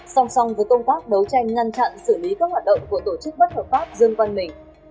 song song với công tác đấu tranh ngăn chặn xử lý các hoạt động của tổ chức bất hợp pháp dương văn mình